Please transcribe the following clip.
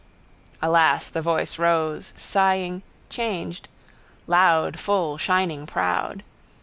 Alas the voice rose, sighing, changed: loud, full, shining, proud.